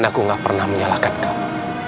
aku gak pernah menyalahkan kamu